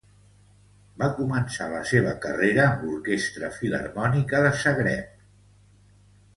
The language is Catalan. Va començar la seva carrera amb l'Orquestra Filharmònica de Zagreb.